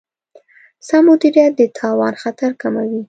سم مدیریت د تاوان خطر کموي.